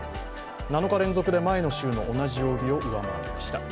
７日連続で前の週の同じ曜日を上回りました。